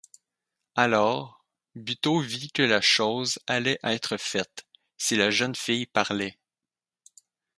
Alors, Buteau vit que la chose allait être faite, si la jeune fille parlait.